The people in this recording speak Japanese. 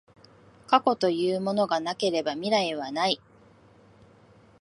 過去というものがなければ未来はない。